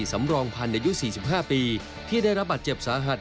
สำรองพันธ์อายุ๔๕ปีที่ได้รับบาดเจ็บสาหัส